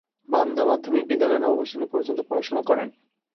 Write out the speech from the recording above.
বান্দা মাধ্যমিক বিদ্যালয়ে নবম শ্রেণী পর্যন্ত পড়াশোনা করেন।